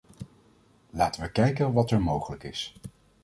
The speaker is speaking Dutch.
Laten we kijken wat er mogelijk is.